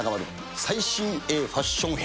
最新鋭ファッション編。